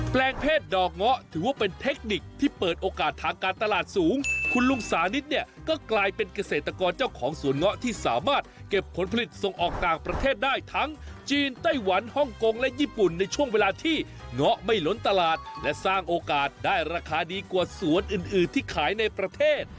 ลงเพศดอกเงาะถือว่าเป็นเทคนิคที่เปิดโอกาสทางการตลาดสูงคุณลุงสานิทเนี่ยก็กลายเป็นเกษตรกรเจ้าของสวนเงาะที่สามารถเก็บผลผลิตส่งออกต่างประเทศได้ทั้งจีนไต้หวันฮ่องกงและญี่ปุ่นในช่วงเวลาที่เงาะไม่ล้นตลาดและสร้างโอกาสได้ราคาดีกว่าสวนอื่นอื่นที่ขายในประเทศ